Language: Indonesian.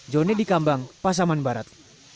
jone di kambang pasaman barat